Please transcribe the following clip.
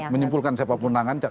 menyimpulkan siapapun nangan